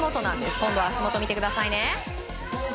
今度は足元見てくださいね。